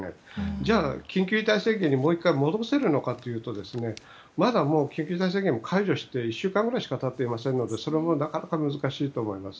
じゃあ、緊急事態宣言にもう１回、戻せるのかというと緊急事態宣言も解除して１週間くらいしか経ってないのでそれもなかなか難しいと思います。